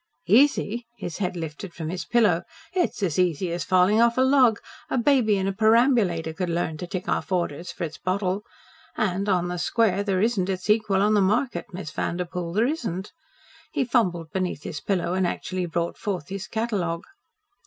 "Easy!" his head lifted from his pillow. "It's as easy as falling off a log. A baby in a perambulator could learn to tick off orders for its bottle. And on the square there isn't its equal on the market, Miss Vanderpoel there isn't." He fumbled beneath his pillow and actually brought forth his catalogue.